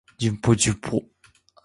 jdmpjdmx